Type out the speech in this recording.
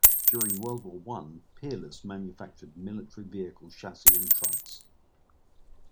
During World War One, Peerless manufactured military vehicle chassis and trucks.